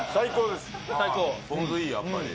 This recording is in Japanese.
ポン酢いいやっぱり。